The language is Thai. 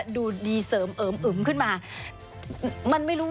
ดีเสริมเอิมขึ้นมา